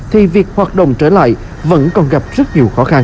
thì việc hoạt động trở lại vẫn còn gặp rất nhiều khó khăn